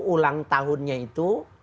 ulang tahunnya itu